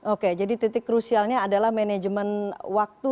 oke jadi titik krusialnya adalah manajemen waktu